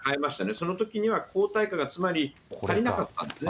そのときには、抗体価が、つまり足りなかったんですね。